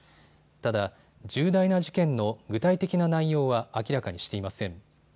ただ重大な事件の具体的な内容は明らかにしていません。